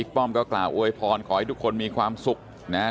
ปล้อยพรอยทุกคนมีความสุขแนะ